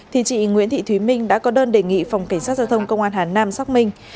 thì chị nguyễn thị thúy minh đã có đơn đề nghị phòng cảnh sát giao thông công an hà nam xác minh